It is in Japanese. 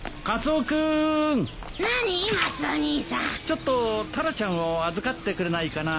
ちょっとタラちゃんを預かってくれないかな。